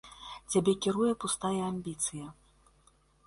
Цябе кіруе пустая амбіцыя.